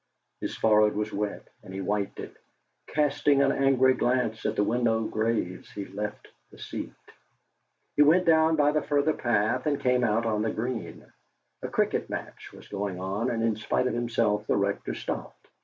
His forehead was wet, and he wiped it. Casting an angry glance at the Winlow graves, he left the seat. He went down by the further path, and came out on the green. A cricket match was going on, and in spite of himself the Rector stopped.